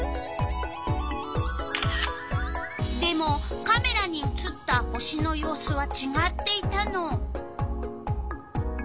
でもカメラに写った星の様子はちがっていたの。